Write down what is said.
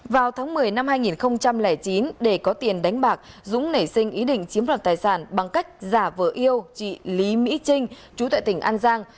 vào tháng một mươi năm hai nghìn chín để có tiền đánh bạc dũng nảy sinh ý định chiếm đoạt tài sản bằng cách giả vợ yêu chị lý mỹ trinh chú tại tỉnh an giang